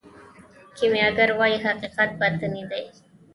کیمیاګر وايي حقیقت باطني دی.